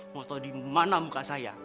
mau tau dimana muka saya